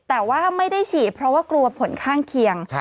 แต่ว่าไม่ได้ฉีดเพราะว่ากลัวผลข้างเคียง